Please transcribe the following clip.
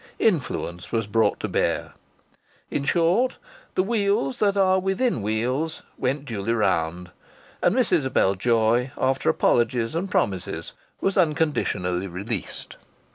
Influence was brought to bear. In short, the wheels that are within wheels went duly round. And Miss Isabel Joy, after apologies and promises, was unconditionally released.